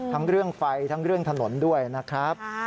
ทั้งเรื่องไฟทั้งเรื่องถนนด้วยนะครับ